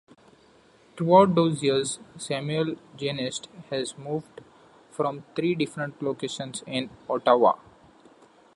Throughout those years, Samuel-Genest has moved from three different locations in Ottawa.